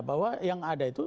bahwa yang ada itu